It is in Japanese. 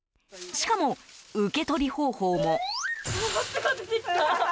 しかも、受け取り方法も。